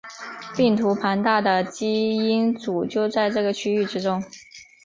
病毒庞大的基因组就在这个区域之中。